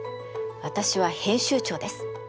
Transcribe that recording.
私は編集長です。